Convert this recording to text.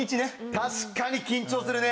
確かに緊張するね。